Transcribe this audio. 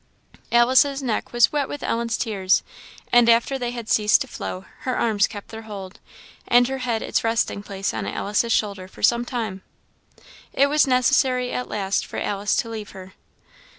" Alice's neck was wet with Ellen's tears; and after they had ceased to flow, her arms kept their hold, and her head its resting place on Alice's shoulder for some time. It was necessary at last for Alice to leave her.